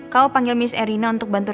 kamu panggil miss erina untuk ke rumah ya